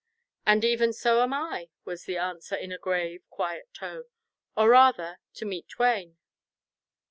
"And even so am I," was the answer, in a grave, quiet tone, "or rather to meet twain."